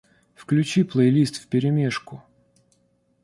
Включи плейлист вперемешку